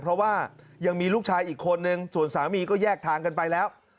เพราะว่ายังมีลูกชายอีกคนนึงส่วนสามีก็แยกทางกันไปแล้ว